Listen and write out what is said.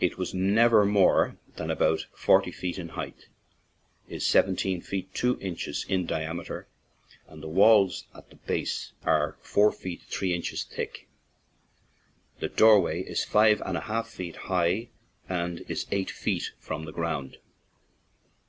It was never more than about forty feet in height, is seventeen feet two inches in diameter, and the walls at the base are four feet three inches thick; the doorway is five and a half feet high and is eight feet from the ground.